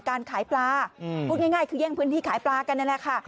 การขายปลาพูดง่ายคือแย่งพื้นที่ขายปลากันนั่นแหละค่ะ